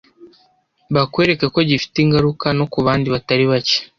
bakwereka ko gifite ingaruka no ku bandi batari bake